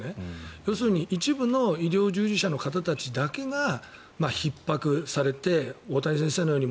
要するに一部の医療従事者の方たちだけがひっ迫されて大谷先生のように